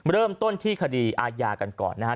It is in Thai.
เริ่มต้นที่คดีอาญากันก่อนนะครับ